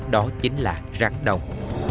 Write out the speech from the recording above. đó chính là rắn đông